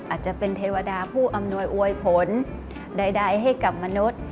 อาจจะเป็นเทวดาผู้อำนวยอวยผลใดให้กับมนุษย์